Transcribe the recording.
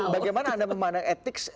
bagaimana anda memandang ethics